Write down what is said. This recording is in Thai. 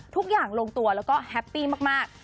ทุกอย่างลงตัวแล้วก็แฮปปี้มาก